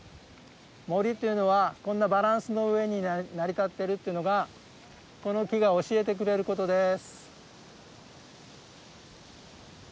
森というのはこんなバランスの上に成り立ってるってのがこの木が教えてくれることです。